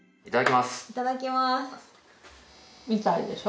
いただきます。